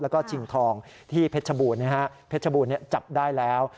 แล้วก็ชิงทองที่เพชรบูรณ์เพชรบูรณ์จับได้แล้ว